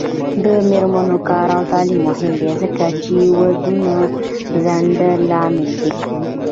د میرمنو کار او تعلیم مهم دی ځکه چې ودونو ځنډ لامل دی.